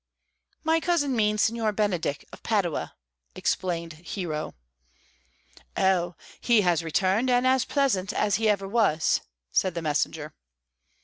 "My cousin means Signor Benedick of Padua," explained Hero. "Oh, he has returned, and as pleasant as ever he was," said the messenger.